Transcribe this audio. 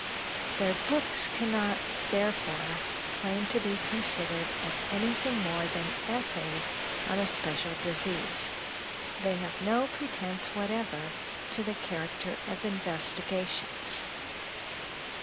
Their books can not, therefore, claim to be considered as anything more than essays on a special disease; they have no pretence whatever to the character of investigations.